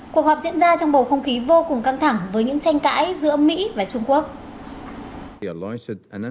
cuộc họp diễn ra trong bầu không khí vô cùng căng thẳng với những tranh cãi giữa mỹ và trung quốc